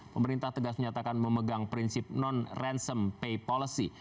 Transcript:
pemerintah tegas menyatakan memegang prinsip non ransom pay policy